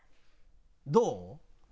どう？